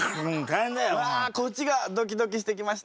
わこっちがドキドキしてきました。